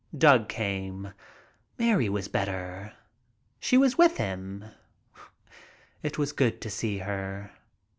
Doug came. Mary was better. She was with him. It was good to see her.